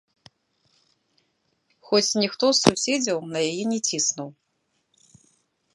Хоць ніхто з суседзяў на яе не ціснуў.